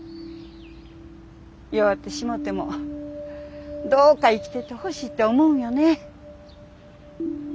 弱ってしもてもどうか生きててほしいって思うんよね。